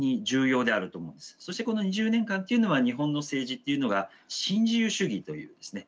そしてこの２０年間というのは日本の政治っていうのが新自由主義というですね